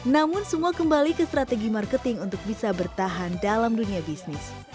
namun semua kembali ke strategi marketing untuk bisa bertahan dalam dunia bisnis